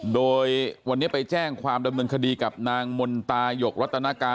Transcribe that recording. โดยวันนี้ไปแจ้งความดำเนินคดีกับนางมนตายกรัตนาการ